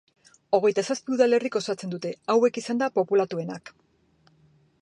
Hogeita zazpi udalerrik osatzen dute, hauek izanda populatuenak.